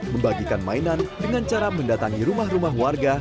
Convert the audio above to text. membagikan mainan dengan cara mendatangi rumah rumah warga